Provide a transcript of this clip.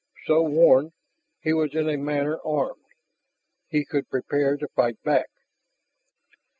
So warned, he was in a manner armed; he could prepare to fight back.